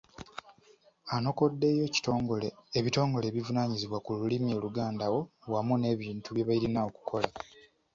Anokoddeyo ebitongole ebivunaanyizibwa ku lulimi Oluganda wamu n’ebintu bye birina okukola.